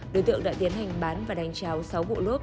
đối tượng đã tiến hành bán và đánh cháo sáu bộ lốt